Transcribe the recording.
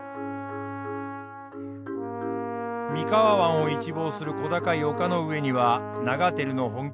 三河湾を一望する小高い丘の上には長照の本拠